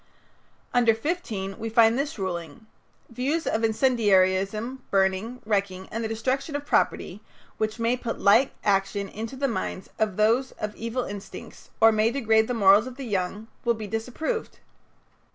Under 15 we find this ruling: "Views of incendiarism, burning, wrecking, and the destruction of property, which may put like action into the minds of those of evil instincts, or may degrade the morals of the young, will be disapproved."